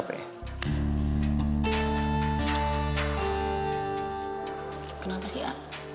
kenapa sih al